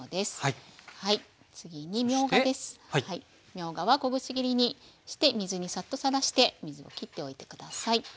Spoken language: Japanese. みょうがは小口切りにして水にサッとさらして水を切っておいて下さい。